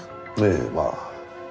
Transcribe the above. ええまあ。